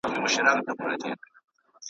له هغه ځایه را کوز پر یوه بام سو .